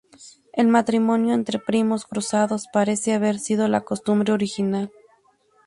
El matrimonio entre primos cruzados parece haber sido la costumbre original.